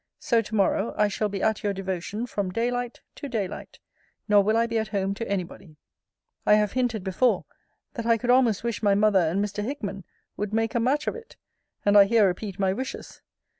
So, to morrow I shall be at your devotion from day light to day light; nor will I be at home to any body. I have hinted before, that I could almost wish my mother and Mr. Hickman would make a match of it: and I here repeat my wishes.